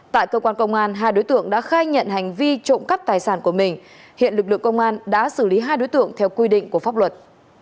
tại cơ quan công an hai đối tượng đã khai nhận hành vi trộm cắp tài sản của mình hiện lực lượng công an đã xử lý hai đối tượng theo quy định của pháp luật